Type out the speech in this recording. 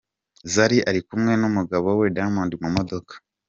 Zari ari kumwe n’umugabo we Diamond mu modoka.